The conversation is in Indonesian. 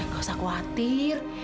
gak usah khawatir